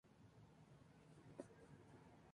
Días más tarde volvió a los Sioux Falls Skyforce.